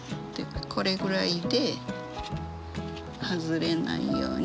これぐらいで外れないようにここまで。